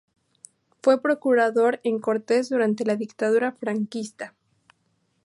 Fue procurador en Cortes durante la dictadura franquista.